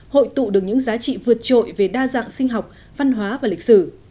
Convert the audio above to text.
hội tụ được những giá trị vượt trội về đa dạng sinh học văn hóa và lịch sử